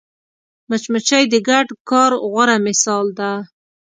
مچمچۍ د ګډ کار غوره مثال ده